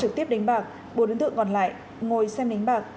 trực tiếp đánh bạc bốn đối tượng còn lại ngồi xem đánh bạc